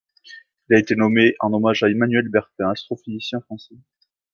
Il a été nommé en hommage à Emmanuel Bertin, astrophysicien français.